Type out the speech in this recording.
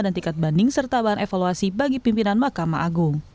dan tingkat banding serta bahan evaluasi bagi pimpinan mahkamah agung